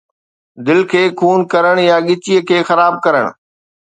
دل کي خون ڪرڻ يا ڳچيء کي خراب ڪرڻ